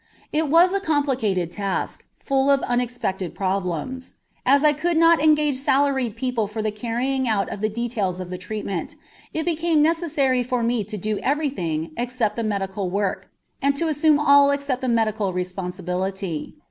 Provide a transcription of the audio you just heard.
It was a complicated task, full of unexpected problems. As I could not engage salaried people for the carrying out of the details of the treatment, it became necessary for me to do everything except the medical work, and to assume all except the medical responsibility.